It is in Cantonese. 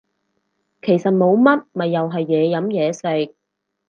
其實冇乜咪又係嘢飲嘢食